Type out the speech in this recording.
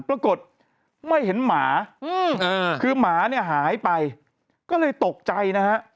ปรากฏไม่เห็นหมาคือหมาเนี่ยหายไปก็เลยตกใจนะฮะ